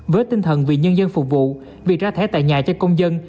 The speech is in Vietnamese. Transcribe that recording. với tinh thần vì nhân dân phục vụ việc ra thẻ tại nhà cho công dân